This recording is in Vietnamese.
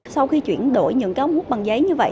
sau khi chuyển đổi những cái ống hút bằng giấy như vậy